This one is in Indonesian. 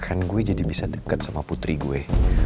kan gue jadi bisa dekat sama putri gue